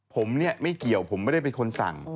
ผมเนี่ยไม่เกี่ยวผมไม่ได้เป็นคนสั่ง